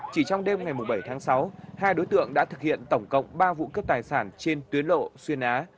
chỉ trong đêm ngày bảy tháng sáu hai đối tượng đã thực hiện tổng cộng ba vụ cướp tài sản trên tuyến lộ xuyên á